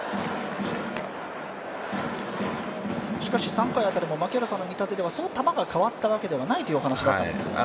３回辺りも槙原さんの見立ではそう球が変わったわけではないというお話でしたけどね。